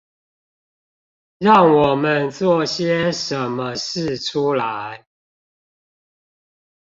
讓我們做些什麼事出來